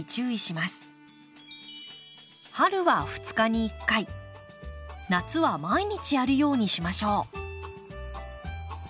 春は２日に１回夏は毎日やるようにしましょう。